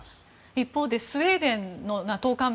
一方でスウェーデンのＮＡＴＯ加盟